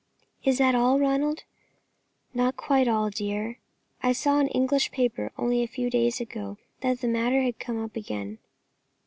"Is that all, Ronald?" "Not quite all, dear. I saw in an English paper only a few days ago that the matter had come up again.